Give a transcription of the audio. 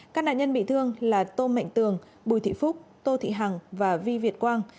các nạn nhân bị thương là tô mạnh tường bùi thị phúc tô thị hằng và vi việt quang